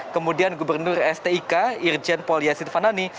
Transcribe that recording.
kemudian gubernur stik irjen pol yassin fanani